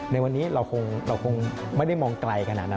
ในวันนี้เราคงไม่ได้มองไกลขนาดนั้น